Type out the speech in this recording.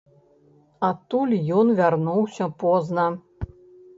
Адтуль ён вярнуўся позна.